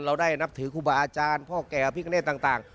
เราได้นับถือครูบาอาจารย์พ่อแก่อภิกเนตต่าง